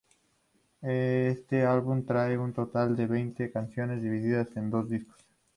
Este álbum trae un total de veinte canciones divididas en dos discos.